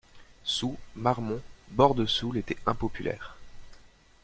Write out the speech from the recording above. Soult, Marmont, Bordesoulle étaient impopulaires.